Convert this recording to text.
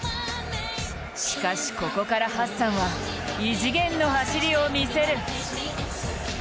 しかしここからハッサンは、異次元の走りを見せる。